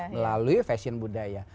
melalui fashion budaya